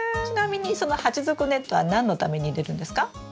ちなみにその鉢底ネットは何のために入れるんですか？